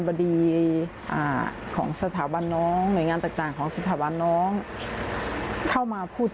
บดีของสถาบันน้องหน่วยงานต่างของสถาบันน้องเข้ามาพูด